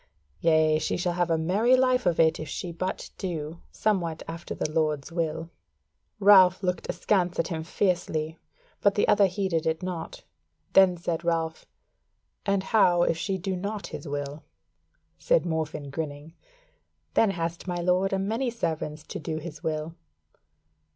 Yea, she shall have a merry life of it if she but do somewhat after the Lord's will." Ralph looked askance at him fiercely, but the other heeded it naught: then said Ralph, "And how if she do not his will?" Said Morfinn, grinning: "Then hath my Lord a many servants to do his will."